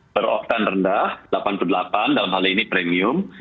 beroktan rendah delapan puluh delapan dalam hal ini premium